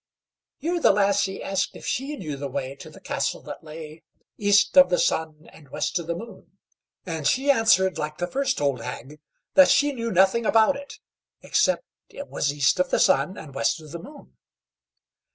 Here the lassie asked if she knew the way to the castle that lay East of the Sun and West of the Moon, and she answered, like the first old hag, that she knew nothing about it, except it was east of the sun and west of the moon.